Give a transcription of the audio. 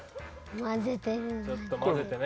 混ぜてる。